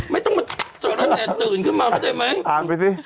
ไม่ต้องมาเจอแล้วแต่ตื่นขึ้นมาเข้าใจไหมอ่านไปสิ